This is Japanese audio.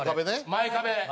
前壁。